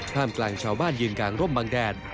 กลางชาวบ้านยืนกลางร่มบางแดด